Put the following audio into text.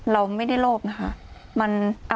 เราไม่ได้โลกอ่ะค่ะ